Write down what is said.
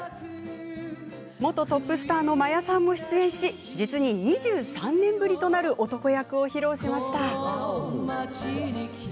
元トップスターの真矢さんも出演し実に２３年ぶりとなる男役を披露しました。